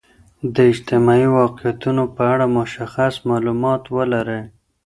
د اجتماعي واقعیتونو په اړه مشخص معلومات ولرئ.